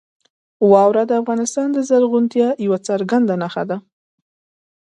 واوره د افغانستان د زرغونتیا یوه څرګنده نښه ده.